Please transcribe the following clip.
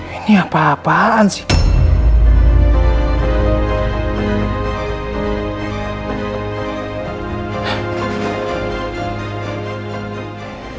ini apa apaan sih